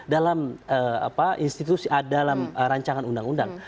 dalam institusi dalam rancangan undang undang